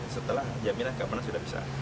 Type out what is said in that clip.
setelah jaminan keamanan sudah bisa